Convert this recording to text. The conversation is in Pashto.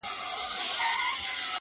o وخت یاري ور سره وکړه لوی مالدار سو,